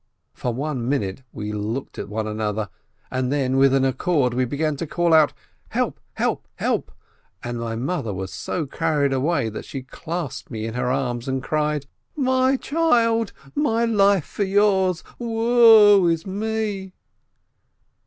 For one minute we looked at one another, and then with one accord we began to call out, "Help ! help ! help !" and my mother was so carried away that she clasped me in her arms and cried: "My child, my life for yours, woe is me